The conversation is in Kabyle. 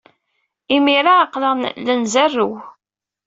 Imir-a, aql-aɣ la nzerrew.